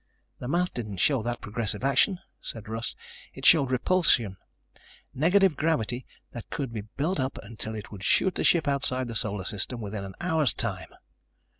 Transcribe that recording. "The math didn't show that progressive action," said Russ. "It showed repulsion, negative gravity that could be built up until it would shoot the ship outside the Solar System within an hour's time.